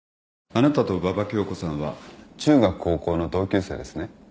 あなたと馬場恭子さんは中学高校の同級生ですね。